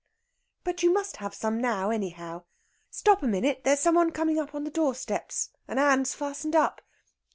"But you must have some now, anyhow. Stop a minute, there's some one coming up the doorsteps and Ann's fastened up....